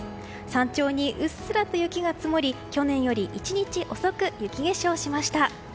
山頂にうっすらと雪が積もり去年より１日遅く雪化粧しました。